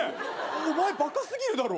お前バカすぎるだろ。